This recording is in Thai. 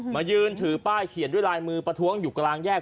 มายืนถือป้ายเขียนด้วยลายมือประท้วงอยู่กลางแยก